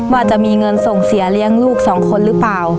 ว่าจะมีเงินส่งเสียเลี้ยงลูกสองคนหรือเปล่า